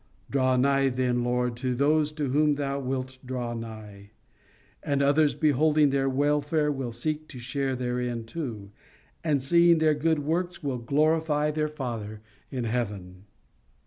Draw nigh then, Lord, to those to whom Thou wilt draw nigh; and others beholding their welfare will seek to share therein too, and seeing their good works will glorify their Father in heaven."